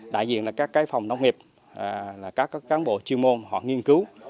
đại diện là các cái phòng nông nghiệp là các cán bộ chuyên môn họ nghiên cứu